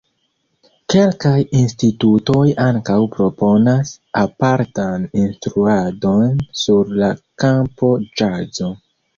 Kelkaj institutoj ankaŭ proponas apartan instruadon sur la kampo ĵazo.